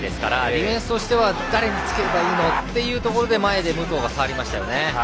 ディフェンスとしては誰につけばいいのというところで前で武藤が触りましたね。